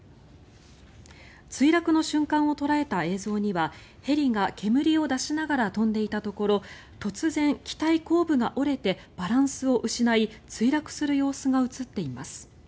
墜落の瞬間を捉えた映像にはヘリが煙を出しながら飛んでいたところ突然、機体後部が折れてバランスを失い墜落する様子が映っています。